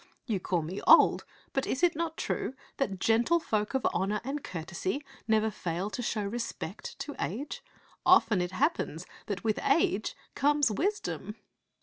You call me old, but is it not true that gentle folk of honor and cour tesy never fail to show respect to age ? Often it hap pens that with age comes wisdom."